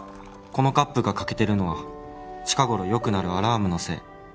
「このカップが欠けてるのは近頃よく鳴るアラームのせい」